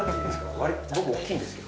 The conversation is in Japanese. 割と僕大きいんですけど。